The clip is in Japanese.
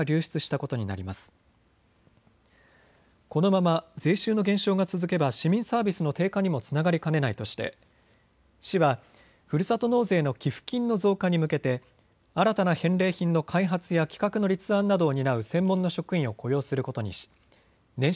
このまま税収の減少が続けば市民サービスの低下にもつながりかねないとして市はふるさと納税の寄付金の増加に向けて新たな返礼品の開発や企画の立案などを担う専門の職員を雇用することにし年収